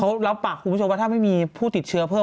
เขารับปากคุณผู้ชมว่าถ้าไม่มีผู้ติดเชื้อเพิ่ม